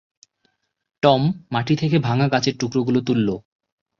Tom মাটি থেকে ভাঙ্গা কাঁচের টুকরোগুলো তুললো।